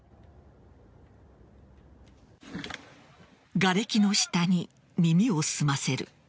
がれきの下に耳を澄ませる。